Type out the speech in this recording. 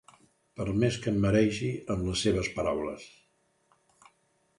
Per més que em maregi amb les seves paraules.